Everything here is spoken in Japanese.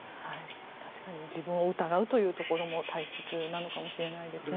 確かに自分を疑うというところも大切なのかもしれないですね。